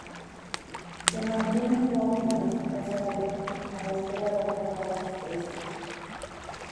Se mantiene inmóvil en su posadero a la espera de atrapar a sus presas.